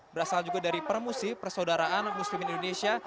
berasal juga dari permusi persaudaraan muslim indonesia